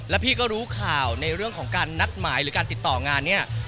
แล้วพี่ก็รู้ข่าวในเรื่องของการนัดหมายหรือการติดต่องานเนี่ย